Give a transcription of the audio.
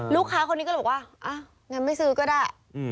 ลูกค้าคนนี้ก็เลยบอกว่างั้นไม่ซื้อก็ได้